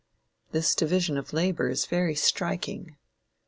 This division of labor is very striking.